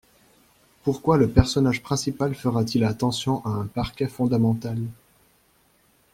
Pourquoi le personnage principal fera-t-il attention à un parquet fondamental?